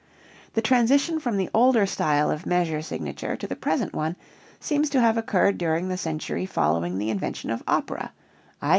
The transition from the older style of measure signature to the present one seems to have occurred during the century following the invention of opera, _i.